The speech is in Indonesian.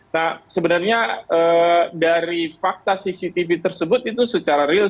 nah sebenarnya dari fakta cctv tersebut itu secara real